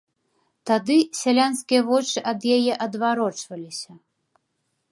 Тады сялянскія вочы ад яе адварочваліся.